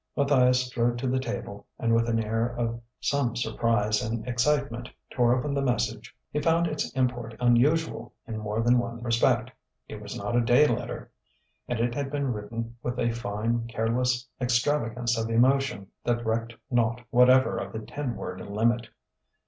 Matthias strode to the table and with an air of some surprise and excitement tore open the message. He found its import unusual in more than one respect: it was not a "day letter," and it had been written with a fine, careless extravagance of emotion that recked naught whatever of the ten word limit.